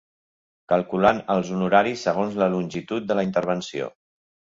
Calculant els honoraris segons la longitud de la intervenció.